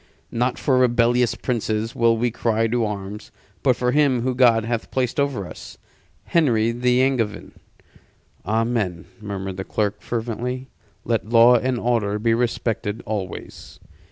Not for rebellious princes will we cry to arms; but for him whom God hath placed over us Henry the Angevin." "Amen," murmured the clerk, fervently. "Let law and order be respected always."